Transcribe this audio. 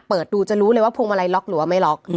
เปิดดูจะรู้เลยว่าพวงมาลัยล็อกหรือว่าไม่ล็อก